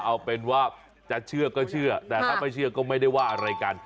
เอาเป็นว่าจะเชื่อก็เชื่อแต่ถ้าไม่เชื่อก็ไม่ได้ว่าอะไรกัน